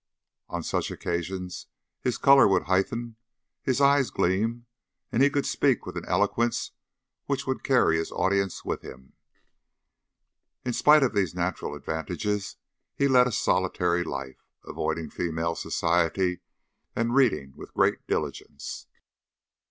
On such occasions his colour would heighten, his eyes gleam, and he could speak with an eloquence which would carry his audience with him. In spite of these natural advantages he led a solitary life, avoiding female society, and reading with great diligence.